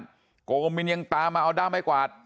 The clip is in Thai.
ช่วยเหลือจากเพื่อนบ้านโกมินยังตามมาเอาด้ำให้กวาด